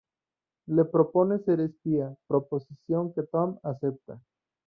Le propone ser espía, proposición que tom acepta.